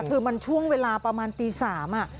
คือมันช่วงเวลาประมาณตี๓